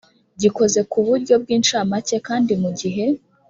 gikoze ku buryo bw’incamake kandi mu gihe